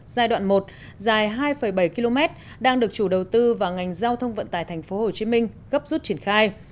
giai đoạn một dài hai bảy km đang được chủ đầu tư và ngành giao thông vận tải tp hcm gấp rút triển khai